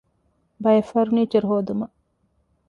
ބައެއް ފަރުނީޗަރު ހޯދުމަށް